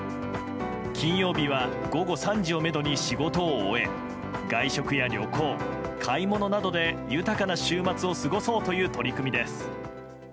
金曜日は午後３時をめどに仕事を終え外食や旅行、買い物などで豊かな週末を過ごそうという取り組みです。